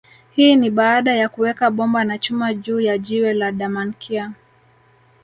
Hii ni baada ya kuweka bomba na chuma juu ya jiwe la Damankia